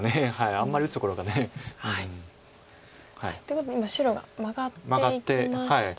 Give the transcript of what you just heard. あんまり打つところが。ということで今白がマガっていきましたね。